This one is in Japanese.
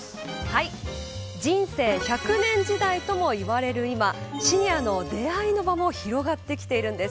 人生１００年時代ともいわれる今シニアの出会いの場も広がってきているんです。